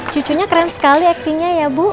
cucunya keren sekali actingnya ya bu